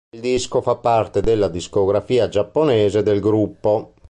Il disco fa parte della discografia giapponese del gruppo.